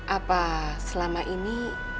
apa selama ini